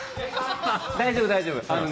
大丈夫大丈夫。